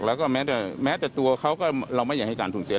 แล้วก็แม้แต่แม้แต่ตัวเขาก็เราไม่อยากให้การสูญเสีย